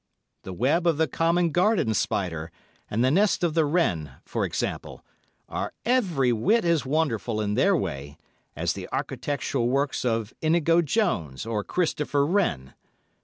The web of the common garden spider and the nest of the wren, for example, are every whit as wonderful in their way as the architectural works of Inigo Jones or Christopher Wren.